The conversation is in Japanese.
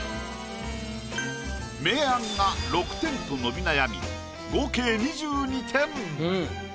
明暗が６点と伸び悩み合計２２点。